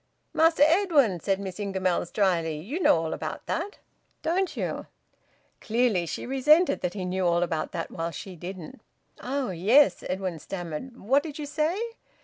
"Master Edwin," said Miss Ingamells drily. "You know all about that, don't you?" Clearly she resented that he knew all about that while she didn't. "Oh! Yes," Edwin stammered. "What did you say?"